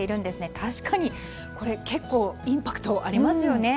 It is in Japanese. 確かに結構インパクトありますね。